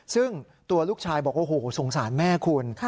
ซึ่งตัวลูกชายบอกว่าโอ้โหสงสารแม่คุณ